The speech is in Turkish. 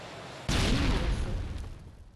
Ne numarası?